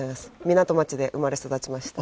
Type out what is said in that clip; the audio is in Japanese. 港町で生まれ育ちました。